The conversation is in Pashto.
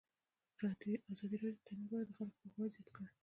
ازادي راډیو د تعلیم په اړه د خلکو پوهاوی زیات کړی.